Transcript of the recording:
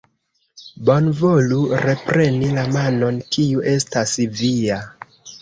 Bonvolu repreni la monon, kiu estas via.